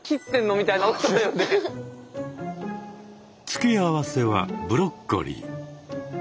付け合わせはブロッコリー。